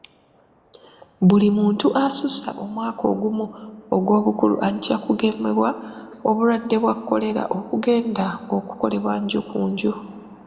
Buli muntu asussa omwaka ogumu ogw'obukulu ajja kugemebwa obulwadde bwa kolera okugenda okukolebwa nju ku nju.